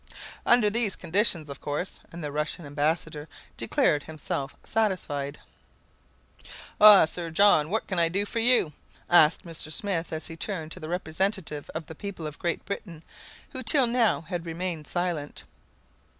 "Under these conditions, of course " And the Russian ambassador declared himself satisfied. "Ah, Sir John, what can I do for you?" asked Mr. Smith as he turned to the representative of the people of Great Britain, who till now had remained silent.